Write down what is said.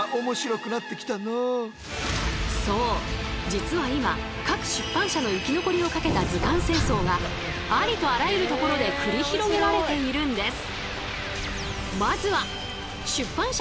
実は今各出版社の生き残りをかけた図鑑戦争がありとあらゆるところで繰り広げられているんです。